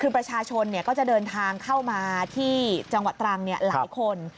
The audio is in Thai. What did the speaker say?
คือประชาชนก็จะเดินทางเข้ามาที่จังหวัดตรังหลายคน